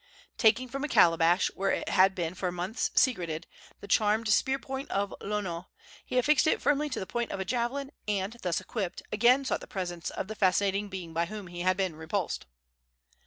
Taking from a calabash, where it had been for months secreted, the charmed spear point of Lono, he affixed it firmly to the point of a javelin, and, thus equipped, again sought the presence of the fascinating being by whom he had been repulsed.